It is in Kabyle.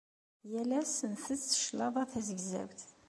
Yal ass nttett cclaḍa tazegzawt.